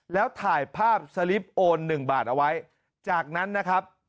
แล้วถ่ายภาพสลิปโอน๑บาทเอาไว้จากนั้นนะครับ